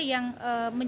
yang menjadi form